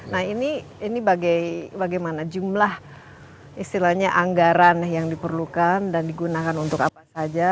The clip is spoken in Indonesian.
nah ini bagaimana jumlah istilahnya anggaran yang diperlukan dan digunakan untuk apa saja